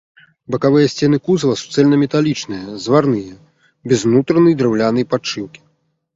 Бакавыя сцены кузава суцэльнаметалічныя, зварныя, без унутранай драўлянай падшыўкі.